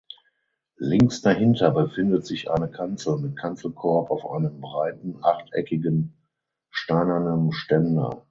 Links dahinter befindet sich eine Kanzel mit Kanzelkorb auf einem breiten achteckigen steinernem Ständer.